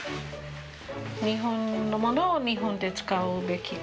日本の物を日本で使うべきかな。